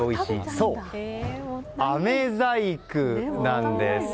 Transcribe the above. そう、あめ細工なんです。